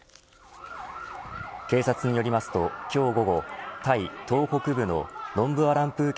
警察によりますと、今日午後タイ東北部のノンブアランプー